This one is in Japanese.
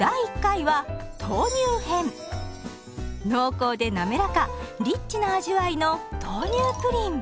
濃厚でなめらかリッチな味わいの豆乳プリン。